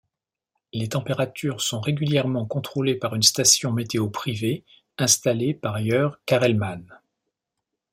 Les températures sont régulièrement contrôlées par une station météo privée installée par Jörg Kachelmann.